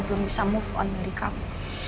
belum bisa move on dari kamu